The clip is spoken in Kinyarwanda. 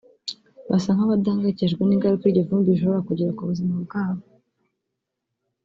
basa nk’abadahangayikishijwe n’ingaruka iryo vumbi rishobora kugira ku buzima bwabo